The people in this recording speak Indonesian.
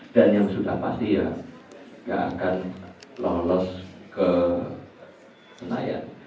dan yang sudah pasti ya tidak akan lolos ke penayaan